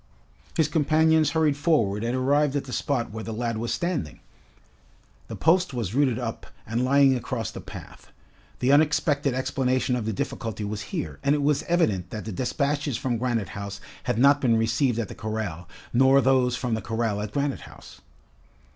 His companions hurried forward and arrived at the spot where the lad was standing. The post was rooted up and lying across the path. The unexpected explanation of the difficulty was here, and it was evident that the despatches from Granite House had not been received at the corral, nor those from the corral at Granite House.